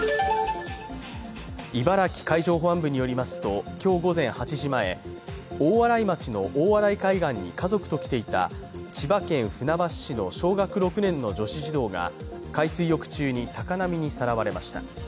茨城海上保安部によりますと今日午前８時前、大洗町の大洗海岸に家族と来ていた千葉県船橋市の小学６年の女子児童が海水浴中に高波にさらわれました。